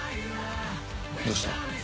どうした？